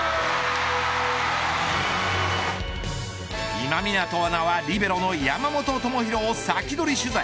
今湊アナはリベロの山本智大をサキドリ取材。